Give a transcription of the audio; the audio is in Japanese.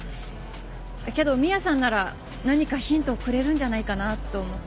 けどミアさんなら何かヒントをくれるんじゃないかなって思って。